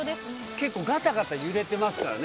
結構ガタガタ揺れてますからね。